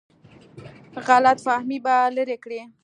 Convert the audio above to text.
غلط فهمۍ به لرې کړي.